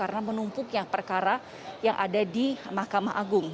karena menumpuknya perkara yang ada di mahkamah agung